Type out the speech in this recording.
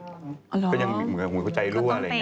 เหมือนกับหัวใจรั่ว